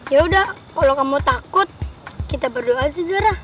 yaudah kalo kamu takut kita berdoa aja zara